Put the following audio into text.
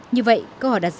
như vậy có hỏi đặc sĩ